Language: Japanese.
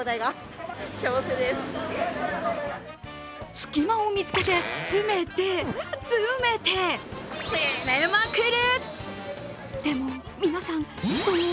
隙間を見つけて詰めて、詰めて詰めまくる！